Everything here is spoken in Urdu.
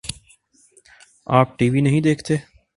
آ پ ٹی وی نہیں دیکھتے؟